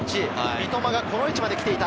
三笘がこの位置まで来ていた。